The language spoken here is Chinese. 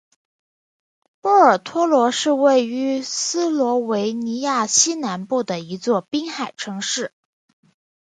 波尔托罗是位于斯洛维尼亚西南部的一座滨海城市。